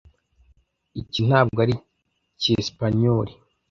Iki ntabwo ari icyesipanyoli.